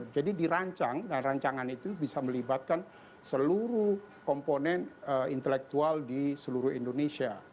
jadi dirancang dan rancangan itu bisa melibatkan seluruh komponen intelektual di seluruh indonesia